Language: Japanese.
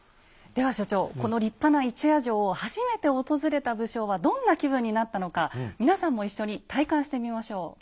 では所長この立派な一夜城を初めて訪れた武将はどんな気分になったのか皆さんも一緒に体感してみましょう。